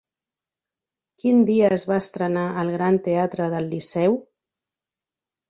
Quin dia es va estrenar al Gran Teatre del Liceu?